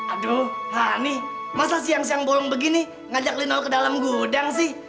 aduh hani masa siang siang bolong begini ngajak lino ke dalam gudang sih